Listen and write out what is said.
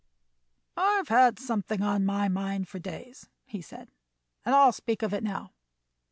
"I've had something on my mind for days," he said, "and I'll speak of it now.